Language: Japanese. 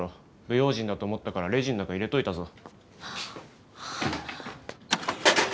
不用心だと思ったからレジの中入れといたぞ。